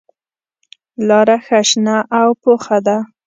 لاره ښه شنه او پوخه ده.